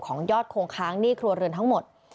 ยอดคงค้างหนี้ครัวเรือนทั้งหมด